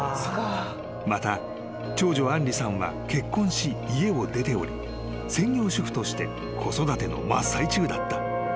［また長女杏梨さんは結婚し家を出ており専業主婦として子育ての真っ最中だった］